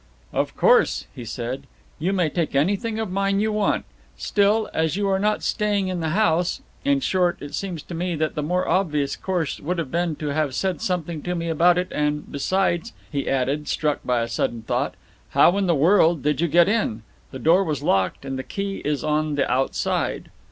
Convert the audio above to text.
"Of course," he said, "you may take anything of mine you want. Still, as you are not staying in the house In short, it seems to me that the more obvious course would have been to have said something to me about it; and besides," he added, struck by a sudden thought, "how in the world did you get in? The door was locked, and the key is on the outside."